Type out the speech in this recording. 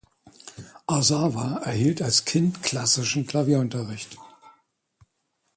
Arsava erhielt als Kind klassischen Klavierunterricht.